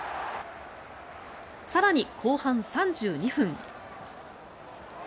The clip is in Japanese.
更に後半３２分。